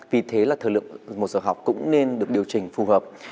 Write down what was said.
vì thế là thời lượng một giờ học cũng nên được điều chỉnh phù hợp